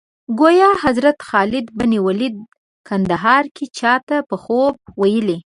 ګویا حضرت خالد بن ولید کندهار کې چا ته په خوب ویلي.